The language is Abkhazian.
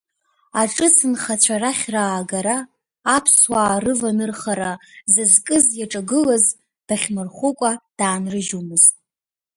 Аҿыцнхацәа арахь раагара, аԥсуаа рыванырхара зызкыз иаҿагылаз дахьмырхәыкәа даанрыжьуамызт.